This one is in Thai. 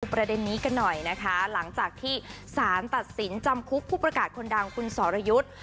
ประเด็นนี้กันหน่อยนะคะหลังจากที่สารตัดสินจำคุกผู้ประกาศคนดังคุณสรยุทธ์